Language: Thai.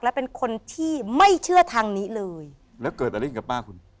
และเป็นคนที่ไม่เชื่อทางนี้เลยแล้วเกิดอะไรขึ้นกับป้าคุณ